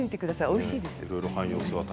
おいしいですよ。